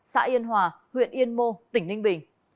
xã yên hòa huyện yên mô tỉnh ninh bình